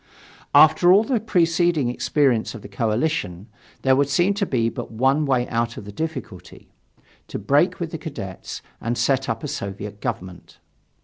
After all the preceding experience of the coalition, there would seem to be but one way out of the difficulty to break with the Cadets and set up a Soviet government.